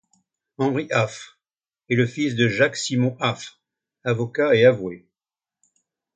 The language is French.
Henri Affre est le fils de Jacques-Simon Affre, avocat et avoué.